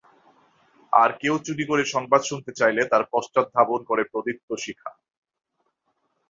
আর কেউ চুরি করে সংবাদ শুনতে চাইলে তার পশ্চাদ্ধাবন করে প্রদীপ্ত শিখা।